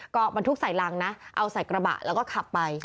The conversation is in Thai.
ก็บรรทุกใส่รังนะเอาใส่กระบะแล้วก็ขับไป